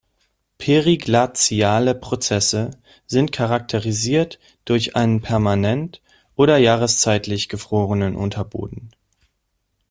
Periglaziale Prozesse sind charakterisiert durch einen permanent oder jahreszeitlich gefrorenen Unterboden.